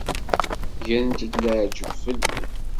Grent-d leεǧeb fell-i.